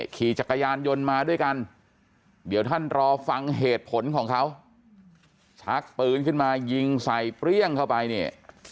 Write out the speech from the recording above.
ขี่จักรยานยนต์มาด้วยกันเดี๋ยวท่านรอฟังเหตุผลของเขาชักปืนขึ้นมายิงใส่เปรี้ยงเข้าไปเนี่ย